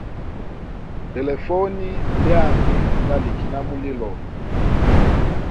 Telefone lyami nda liki na mulilo.